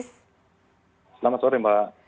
selamat sore mbak